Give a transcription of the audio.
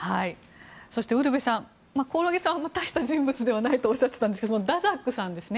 そして、ウルヴェさん興梠さんは大した人物ではないとおっしゃっていたんですがダザックさんですね。